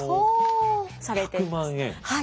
はい。